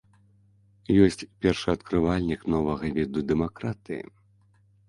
Ёсць першаадкрывальнік новага віду дэмакратыі.